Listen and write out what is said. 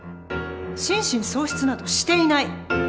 心神喪失などしていない！